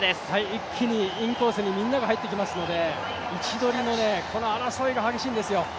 一気にインコースにみんなが入ってきますので位置取りの争いが激しいんですよ。